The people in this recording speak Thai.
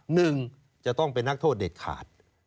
หนึ่งจะต้องเป็นนักโทษเด็ดขาด